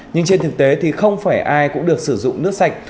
nhưng trên thực tế thì không phải ai cũng được sử dụng nước sạch